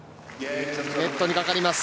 ネットにかかります。